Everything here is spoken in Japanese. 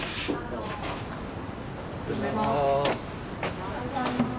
おはようございます。